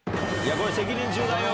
これ責任重大よ。